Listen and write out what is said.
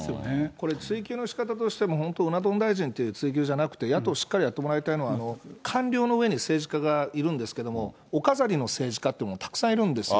これ、追及のしかたとしても、本当、うな丼大臣っていう追及じゃなくて野党、しっかりやってもらいたいのは、官僚の上に政治家がいるんですけれども、お飾りの政治家っていうのもたくさんいるんですよ。